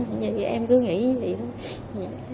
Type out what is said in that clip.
nhưng mà em cứ nghĩ như vậy thôi